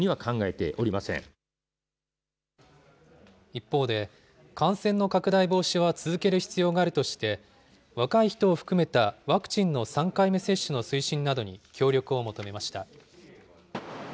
一方で、感染の拡大防止は続ける必要があるとして、若い人を含めたワクチンの３回目接種の推進などに協力を求めました。